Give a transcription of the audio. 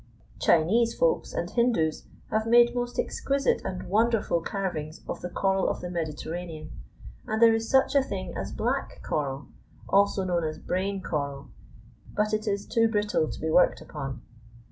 Chinese Folks and Hindoos have made most exquisite and wonderful carvings of the coral of the Mediterranean, and there is such a thing as black coral, also known as brain coral, but it is too brittle to be worked upon.